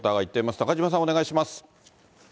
中島さん、お願いします。